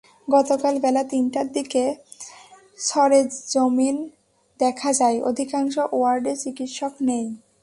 গতকাল বেলা তিনটার দিকে সরেজমিন দেখা যায়, অধিকাংশ ওয়ার্ডে চিকিৎসক নেই।